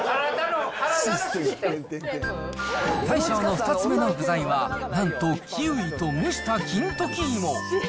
大将の２つ目の具材は、なんとキウイと蒸した金時芋。